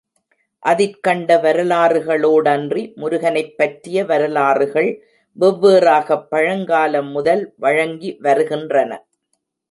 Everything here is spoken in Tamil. அதிற் கண்ட வரலாறுகளோடன்றி முருகனைப் பற்றிய வரலாறுகள் வெவ்வேறாகப் பழங்கால முதல் வழங்கி வருகின்றன.